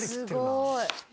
すごい。